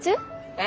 え？